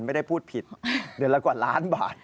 ไม่ได้พูดผิดเดือนละกว่าล้านบาท